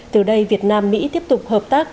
từ đây việt nam mỹ tiếp tục hợp tác